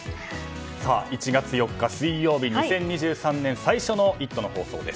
１月４日、水曜日２０２３年最初の「イット！」の放送です。